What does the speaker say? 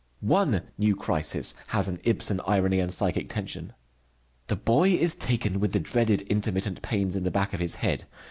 One new crisis has an Ibsen irony and psychic tension. The boy is taken with the dreaded intermittent pains in the back of his head.